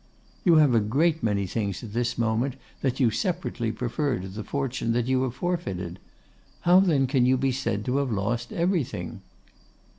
'You have a great many things at this moment that you separately prefer to the fortune that you have forfeited. How then can you be said to have lost everything?